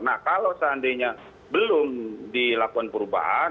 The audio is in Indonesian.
nah kalau seandainya belum dilakukan perubahan